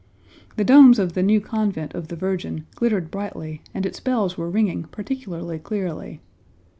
The domes of the New Convent of the Virgin glittered brightly and its bells were ringing particularly clearly.